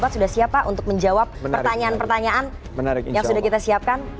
sudah siap pak untuk menjawab pertanyaan pertanyaan yang sudah kita siapkan